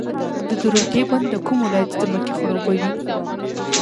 د درونټې بند د کوم ولایت ځمکې خړوبوي؟